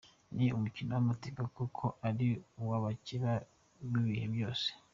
Ni umukino w’amateka kuko ari uw’abacyeba b’ibihe byose.